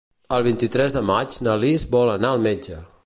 El vint-i-tres de maig na Lis vol anar al metge.